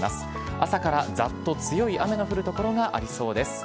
朝からざっと強い雨の降る所がありそうです。